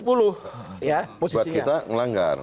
buat kita melanggar